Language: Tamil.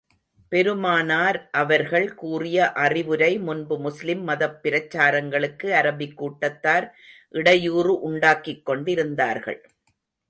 பெருமானார் அவர்கள் கூறிய அறிவுரை முன்பு முஸ்லிம் மதப் பிரச்சாரகர்களுக்கு அரபிக் கூட்டத்தார் இடையூறு உண்டாக்கிக் கொண்டிருந்தார்கள்.